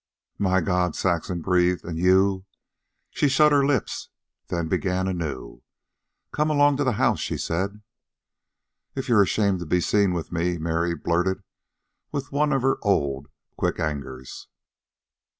"My God!" Saxon breathed. "And you..." She shut her lips, then began anew. "Come along to the house," she said. "If you're ashamed to be seen with me " Mary blurted, with one of her old quick angers.